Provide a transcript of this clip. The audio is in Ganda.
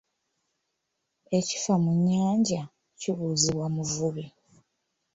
Ekifa mu nnyanja, kibuuzibwa muvubi.